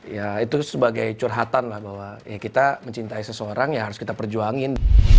ya itu sebagai curhatan lah bahwa ya kita mencintai seseorang ya harus kita perjuangin